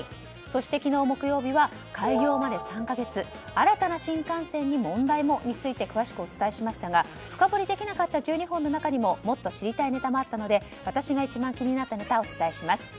そして昨日、木曜日は開業まで３か月新たな新幹線に問題もについて詳しくお伝えしましたが深掘りできなかった１２本の中にももっと知りたいネタがあったので私が一番気になったネタをお伝えします。